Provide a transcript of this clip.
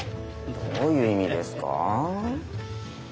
どういう意味ですかあ？